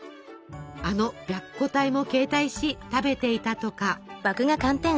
あの「白虎隊」も携帯し食べていたとか。